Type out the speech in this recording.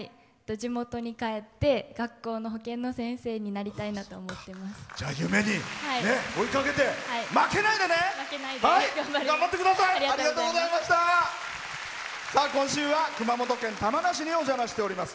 地元に帰って学校の保健の先生になりたいなと思ってます。